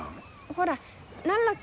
ほら何らっけ。